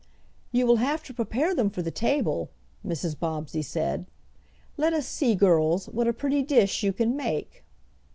"You will have to prepare them for the table," Mrs. Bobbsey said. "Let us see, girls, what a pretty dish you can make."